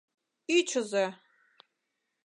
Ӱчызӧ!